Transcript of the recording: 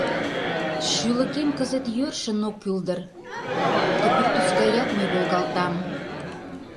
Шӱлыкем кызыт йӧршын ок кӱл дыр — ты пӱртӱс гаяк мый волгалтам.